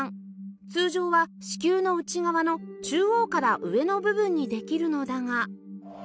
通常は子宮の内側の中央から上の部分にできるのだが